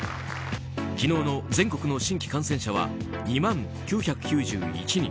昨日の全国の新規感染者は２万９９１人。